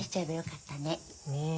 ねえ。